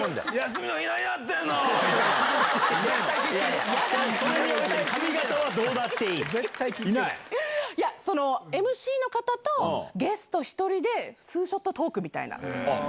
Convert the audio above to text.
それによって髪形はどうなっいや、ＭＣの方とゲスト１人で、ツーショットトークみたいな。